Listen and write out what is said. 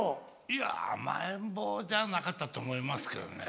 いや甘えん坊じゃなかったと思いますけどね。